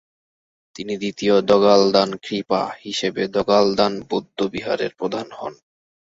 তিনি দ্বিতীয় দ্গা'-ল্দান-খ্রি-পা হিসেবে দ্গা'-ল্দান বৌদ্ধবিহারের প্রধান হন।